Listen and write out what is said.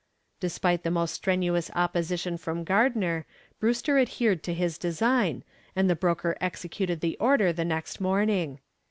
Despite the most strenuous opposition from Gardner, Brewster adhered to his design, and the broker executed the order the next morning.